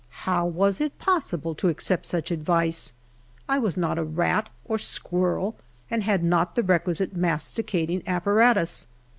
How was it possible to accept such advice ( I was not a rat or squirrel, and had not the requisite mas ticating apparatus.